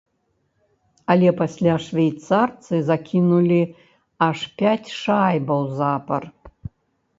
Але пасля швейцарцы закінулі аж пяць шайбаў запар.